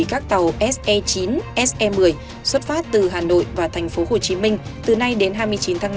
các tàu se chín se một mươi xuất phát từ hà nội và thành phố hồ chí minh từ nay đến hai mươi chín tháng năm